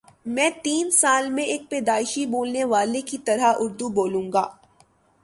میں تین سال میں ایک پیدائشی بولنے والے کی طرح اردو بولوں گا